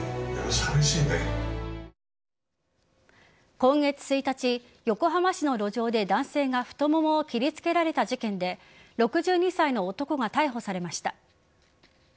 今月１日、横浜市の路上で男性が太ももを切りつけられた事件で６２歳の男が逮捕されました。